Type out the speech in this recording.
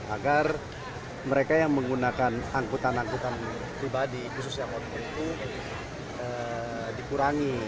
agar mereka yang menggunakan angkutan angkutan pribadi khususnya korban itu dikurangi